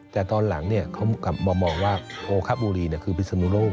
แต่ตอนหลังเนี่ยเขามองว่าโอครับอุรีคือพิษณุโลก